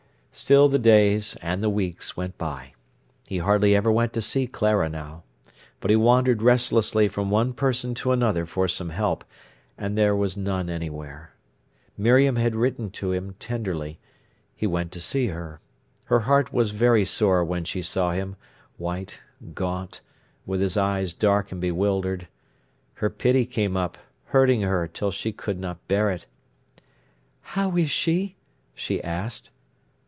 Still the days and the weeks went by. He hardly ever went to see Clara now. But he wandered restlessly from one person to another for some help, and there was none anywhere. Miriam had written to him tenderly. He went to see her. Her heart was very sore when she saw him, white, gaunt, with his eyes dark and bewildered. Her pity came up, hurting her till she could not bear it. "How is she?" she asked.